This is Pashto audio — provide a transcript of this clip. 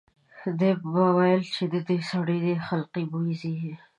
ده به ویل چې د دې سړي د خلقي بوی ځي.